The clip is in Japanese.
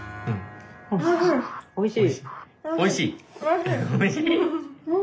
おいしい？